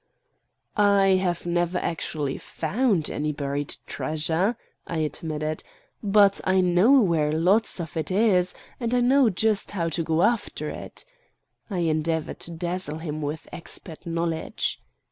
"I have never actually found any buried treasure," I admitted; "but I know where lots of it is, and I know just how to go after it." I endeavored to dazzle him with expert knowledge.